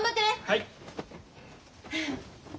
はい。